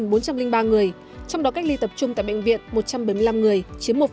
trong đó cách ly tập trung tại bệnh viện một trăm bảy mươi năm người chiếm một